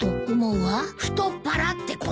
太っ腹ってこと？